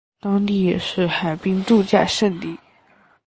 当地也是海滨度假胜地。